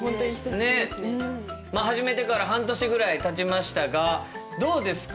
始めてから半年ぐらいたちましたがどうですか？